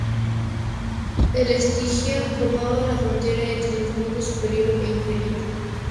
El Estigia formaba la frontera entre los mundos superior e inferior.